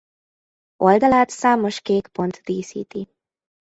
Oldalát számos kék pont díszíti.